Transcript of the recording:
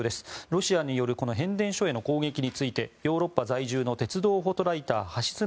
ロシアによるこの変電所への攻撃についてヨーロッパ在住の鉄道フォトライター橋爪